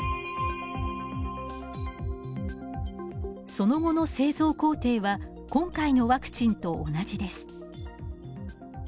その後の製造工程は今回のワクチンと同じです。